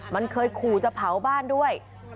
มันเคยขู่จะเผาบ้านด้วย